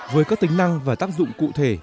với các tính năng và tác dụng cụ thể